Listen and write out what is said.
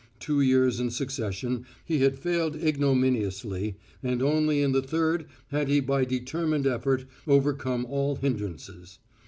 Two years in succession he had failed ignominiously, and only in the third had he by determined effort overcome all hindrances.